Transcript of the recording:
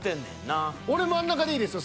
俺真ん中でいいですよ。